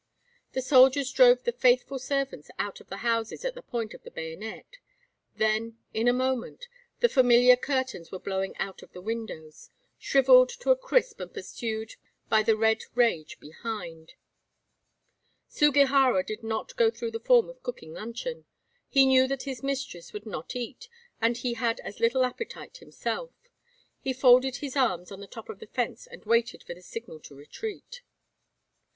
The soldiers drove the faithful servants out of the houses at the point of the bayonet. Then in a moment the familiar curtains were blowing out of the windows shrivelled to a crisp and pursued by the red rage behind. Sugihara did not go through the form of cooking luncheon. He knew that his mistress would not eat, and he had as little appetite himself. He folded his arms on the top of the fence and waited for the signal to retreat.